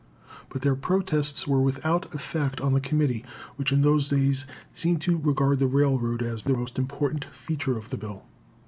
But their protests were without effect on the committee, which in those days seemed to regard the railroad as the most important feature of the bill.